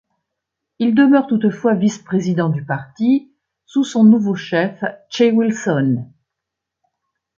Il demeure toutefois vice-président du parti, sous son nouveau chef Che Wilson.